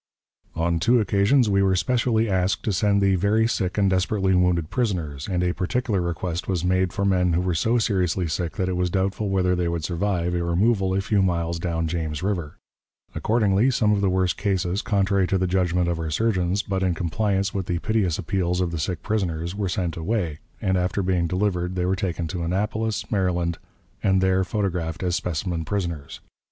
On two occasions we were specially asked to send the very sick and desperately wounded prisoners, and a particular request was made for men who were so seriously sick that it was doubtful whether they would survive a removal a few miles down James River. Accordingly, some of the worst cases, contrary to the judgment of our surgeons, but in compliance with the piteous appeals of the sick prisoners, were sent away, and after being delivered they were taken to Annapolis, Maryland, and there photographed as specimen prisoners.